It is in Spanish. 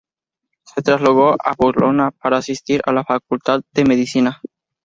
Se trasladó a Bologna para asistir a la facultad de Medicina.